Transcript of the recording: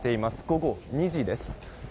午後２時です。